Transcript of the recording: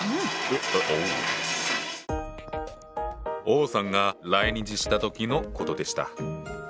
王さんが来日した時の事でした。